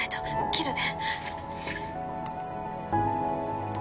切るね。